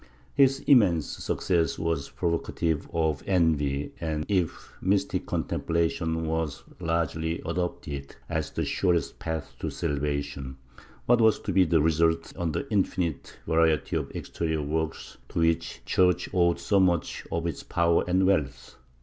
His immense success was provocative of envy and, if mystic con templation was largely adopted as the surest path to salvation, what was to be the result on the infinite variety of exterior works to which the Church owed so much of its power and wealth?